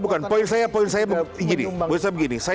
bukan bukan poin saya begini